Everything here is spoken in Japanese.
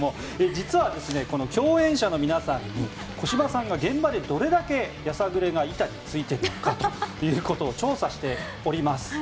実は共演者の皆さんに小芝さんが現場でどれだけやさぐれが板についているのかということを調査しております。